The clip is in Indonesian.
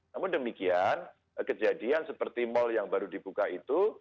namun demikian kejadian seperti mal yang baru dibuka itu